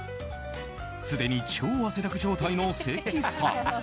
すでに超汗だく状態の関さん。